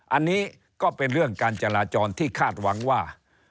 อันนี้ก็เป็นเรื่องการจราจรที่คาดหวังว่า